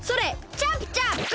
チャップチャップ！